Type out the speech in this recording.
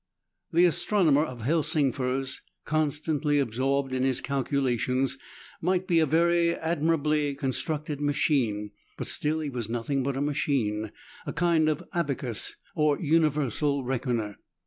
The astronomer ot Helsingfors, constantly absorbed in his calculations, might be a very admirably constructed machine, but still he was nothing but a machine, a kind of abacus, or universal reckoner.